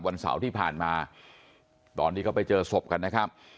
วันเสาร์ที่ผ่านมาตอนที่เขาไปเจอศพกันนะครับ